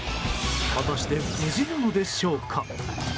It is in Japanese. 果たして無事なのでしょうか。